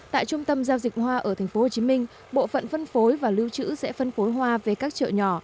tại trung tâm giao dịch hoa ở tp hồ chí minh bộ phận phân phối và lưu trữ sẽ phân phối hoa về các chợ nhỏ